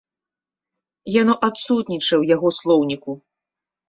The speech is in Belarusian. Яно адсутнічае ў яго слоўніку.